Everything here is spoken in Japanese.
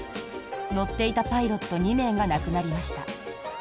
乗っていたパイロット２名が亡くなりました。